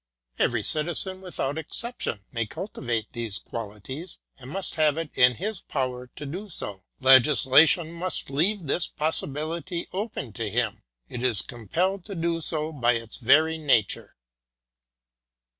Every Citizen, without exception, may cultivate these qualities, and must have it in his power to do so; le gislation must leave this possibility open to him, it is com pelled to do so by its very nature.